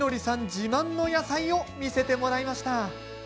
自慢の野菜を見せてもらいました。